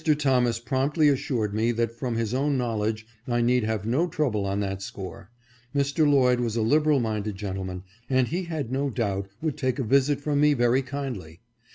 Thomas promptly assured me that from his own knowledge I need have no trouble on that score. Mr. Lloyd was a liberal minded gentleman, and he had no doubt would take a visit from me very kindly.